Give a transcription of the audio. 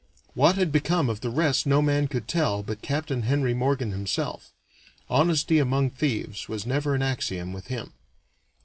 What had become of the rest no man could tell but Capt. Henry Morgan himself. Honesty among thieves was never an axiom with him.